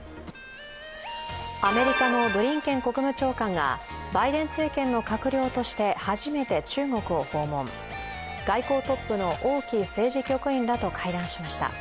アメリカのブリンケン国務長官がバイデン政権の閣僚として初めて中国を訪問外交トップの王毅政治局員らと会談しました。